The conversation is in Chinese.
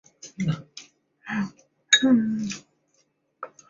动态规划只能应用于有最优子结构的问题。